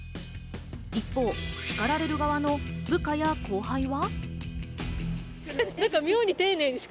一方、叱られる側の部下や後輩は。